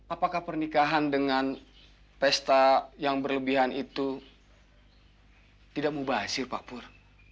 apakah pernikahan dengan pesta yang berlebihan itu tidak mubazir pak pur